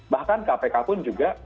bahkan kpk pun juga